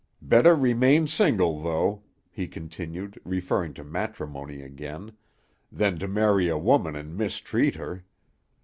"Better remain single, though," he continued, referring to matrimony again, "than to marry a woman and mistreat her.